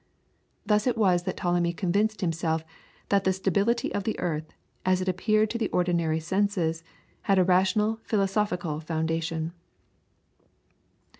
Thus it was that Ptolemy convinced himself that the stability of the earth, as it appeared to the ordinary senses, had a rational philosophical foundation.